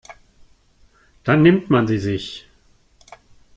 Dann nimmt man sie sich.